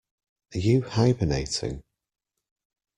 Are you hibernating?